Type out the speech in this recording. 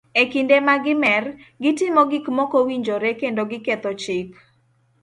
E kinde ma gi mer, gitimo gik mokowinjore kendo ketho chik.